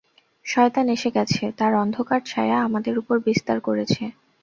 শয়তান এসে গেছে, তার অন্ধকার ছায়া আমাদের উপর বিস্তার করেছে।